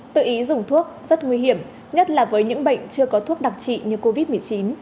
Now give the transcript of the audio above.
tự ý dùng thuốc rất nguy hiểm nhất là với những bệnh chưa có thuốc đặc trị như covid một mươi chín